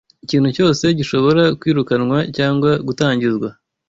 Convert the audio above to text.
Ikintu cyose gishobora kwirukanwa cyangwa gutangizwa